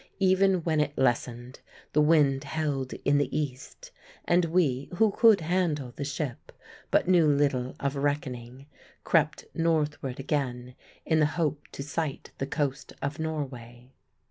Even when it lessened, the wind held in the east; and we, who could handle the ship, but knew little of reckoning, crept northward again in the hope to sight the coast of Norway.